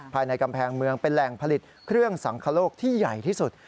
ภายในกำแพงเมืองเป็นแหล่งผลิตเครื่องสังคโลกที่ใหญ่ที่สุด